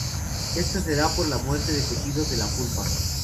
Esto se da por la muerte de tejidos de la pulpa.